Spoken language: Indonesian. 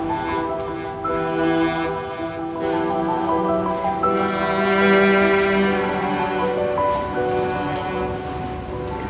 ibu tuh bawah ini